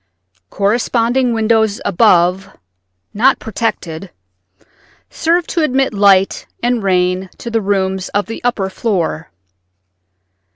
Corresponding windows above, not protected, serve to admit light and rain to the rooms of the upper floor.